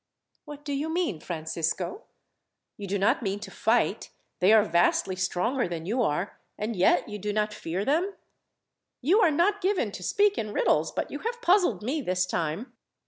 "What do you mean, Francisco? You do not mean to fight they are vastly stronger than you are and yet you do not fear them. You are not given to speak in riddles; but you have puzzled me this time."